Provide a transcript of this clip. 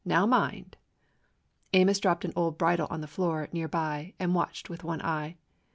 Now mind!" Amos dropped an old bridle on the floor near by and watched with one eye.